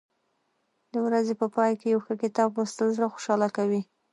د ورځې په پای کې یو ښه کتاب لوستل زړه خوشحاله کوي.